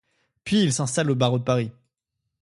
Puis il s'installe au barreau de Paris.